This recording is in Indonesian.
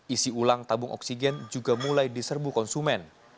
isi ulang tabung oksigen juga mulai diserbu konsumen